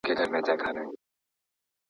چي سي طوق د غلامۍ د چا په غاړه